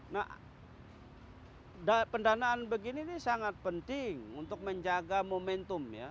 nah pendanaan begini ini sangat penting untuk menjaga momentum ya